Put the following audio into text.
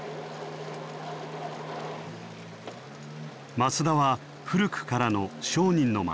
増田は古くからの商人の町。